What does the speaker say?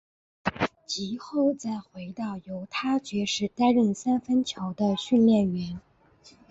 及后再回到犹他爵士担任三分球的训练员。